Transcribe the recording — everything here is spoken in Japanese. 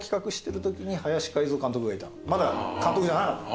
まだ監督じゃなかった。